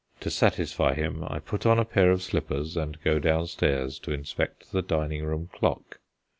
To satisfy him, I put on a pair of slippers and go downstairs to inspect the dining room clock.